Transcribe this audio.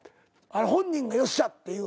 本人が「よっしゃ」っていう。